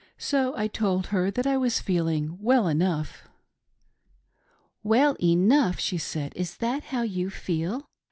So I told her that I was feeling well enough. " 'Well enough !'" she said, "Is that how you feel